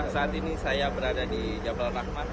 saat ini saya berada di jabal rahman